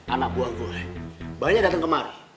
anak buah gue banyak datang kemari